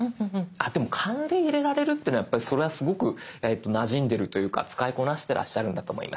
あっでも勘で入れられるっていうのはやっぱりそれはすごくなじんでいるというか使いこなしてらっしゃるんだと思います。